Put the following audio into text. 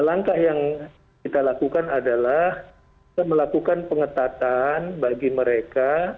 langkah yang kita lakukan adalah kita melakukan pengetatan bagi mereka